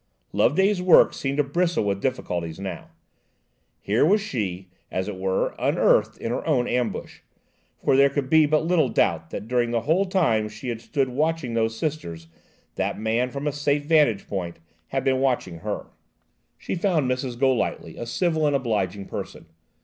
Loveday's work seemed to bristle with difficulties now. Here was she, as it were, unearthed in her own ambush; for there could be but little doubt that during the whole time she had stood watching those Sisters, that man, from a safe vantage point, had been watching her. She found Mrs. Golightly a civil and obliging person.